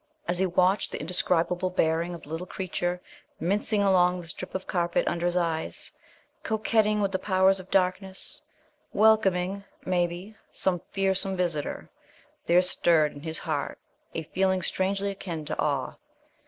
As he watched the indescribable bearing of the little creature mincing along the strip of carpet under his eyes, coquetting with the powers of darkness, welcoming, maybe, some fearsome visitor, there stirred in his heart a feeling strangely akin to awe.